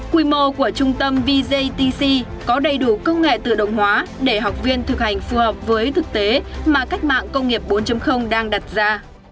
quy mô của trung tâm vjtc có đầy đủ công nghệ tự động hóa để học viên thực hành phù hợp với thực tế mà cách mạng công nghiệp bốn đang đặt ra